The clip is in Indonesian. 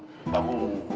saya terus ada pukul deh